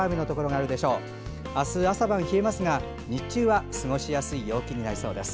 あす朝晩は冷えますが、日中は過ごしやすい陽気のところが多くなりそうです。